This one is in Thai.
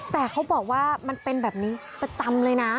แต่เขาบอกว่ามันเป็นแบบนี้ประจำเลยนะ